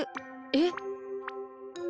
えっ？